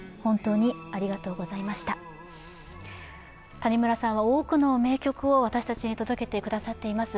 谷村さんは多くの名曲を私たちに届けてくださっています。